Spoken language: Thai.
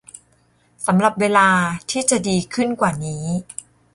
สำหรับเวลาที่จะดีขึ้นกว่านี้